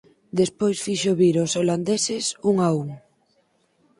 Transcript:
Despois fixo vir ós holandeses un a un.